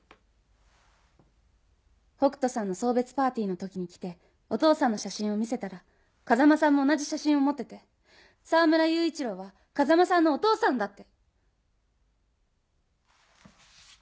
北斗さんの送別パーティーの時に来てお父さんの写真を見せたら風間さんも同じ写真を持ってて澤村雄一郎は風間さんのお父さんだって。